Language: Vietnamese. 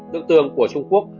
nước tương của trung quốc